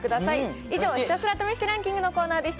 以上、ひたすら試してランキングのコーナーでした。